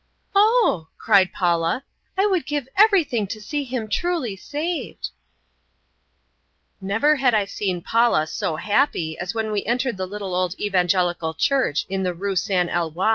"Oh," cried Paula, "I would give everything to see him truly saved!" Never had I seen Paula so happy as when we entered the little old evangelical church in the Rue San Eloi.